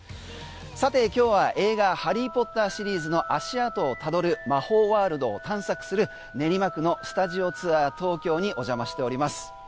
さて今日は映画「ハリー・ポッター」シリーズの足跡をたどる魔法ワールドを探索する練馬区のスタジオツアー東京にお邪魔しております。